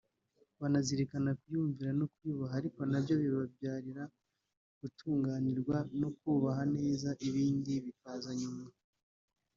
banazirikana kuyumvira no kuyubaha ariko nabyo bibabyarira gutunganirwa no kubaho neza ibindi bikaza nyuma